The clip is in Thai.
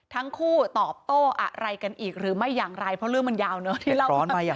ทั้งคู่ตอบโต้อะไรกันอีกหรือไม่อย่างไรเพราะเรื่องมันยาวเนอะ